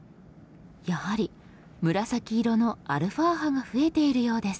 やはり紫色のα波が増えているようです。